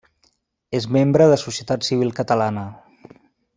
És membre de Societat Civil Catalana.